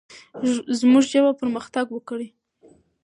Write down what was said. زموږ ژبه پرمختګ وکړي.